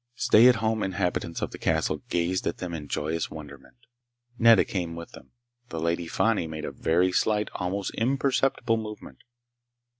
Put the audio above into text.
Stay at home inhabitants of the castle gazed at them in joyous wonderment. Nedda came with them. The Lady Fani made a very slight, almost imperceptible movement.